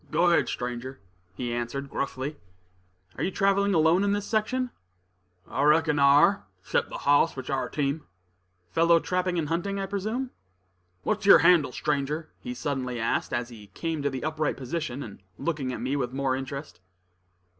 "Go ahead, stranger," he answered, gruffly. "Are you traveling alone in this section?" "I reckon I ar', 'cept the hoss which 'ar a team." "Follow trapping and hunting, I presume?" "What's yer handle, stranger?" he suddenly asked, as he came to the upright position, and looking at me with more interest.